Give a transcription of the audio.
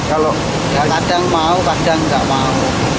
kalau kadang mau kadang nggak mau